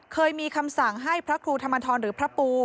เคยมีคำสั่งให้พระครูธรรมทรหรือพระปู